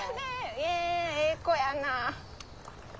えええ子やな。